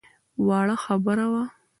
وړه خبره وه.